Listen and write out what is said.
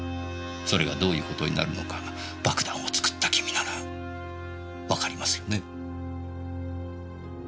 それがどういう事になるのか爆弾を作った君ならわかりますよね？